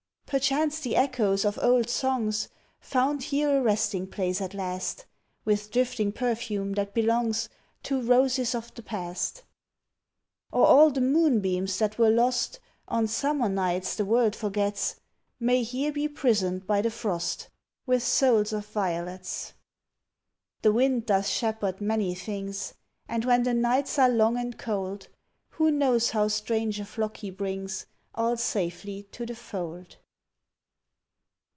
Perchance the echoes of old songs Found here a resting place at last With drifting perfume that belongs To roses of the past. Or all the moonbeams that were lost On summer nights the world forgets May here be prisoned by the frost With souls of violets. The wind doth shepherd many things And when the nights are long and cold, Who knows how strange a flock he brings All safely to the fold.